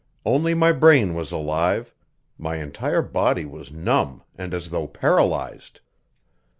Only my brain was alive; my entire body was numb and as though paralyzed.